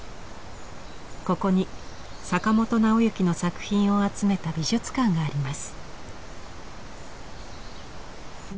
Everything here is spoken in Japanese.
ここに坂本直行の作品を集めた美術館があります。